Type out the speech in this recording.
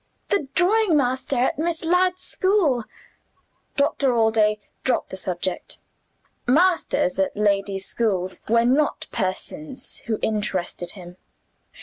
"The drawing master at Miss Ladd's school." Doctor Allday dropped the subject: masters at ladies' schools were not persons who interested him.